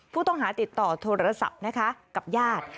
ผู้ต้องหาติดต่อโทรศัพท์นะคะกับญาติ